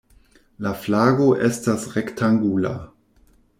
La flago estas rektangula.